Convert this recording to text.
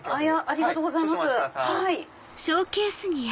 ありがとうございます。